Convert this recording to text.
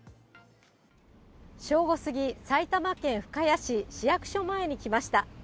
正午過ぎ、埼玉県深谷市市役所前に来ました。